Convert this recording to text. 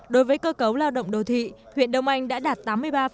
đối với cơ cấu lao động đô thị huyện đông anh đã đạt tám mươi ba